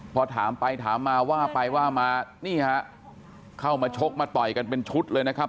พอถามไปถามมาว่าไปว่ามานี่ฮะเข้ามาชกมาต่อยกันเป็นชุดเลยนะครับ